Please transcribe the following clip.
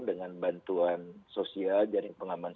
dengan bantuan sosial jaring pengaman